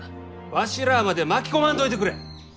わしらまで巻き込まんといてくれ！